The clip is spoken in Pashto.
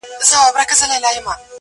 بار يم د ژوند په اوږو ځمه له جنجاله وځم_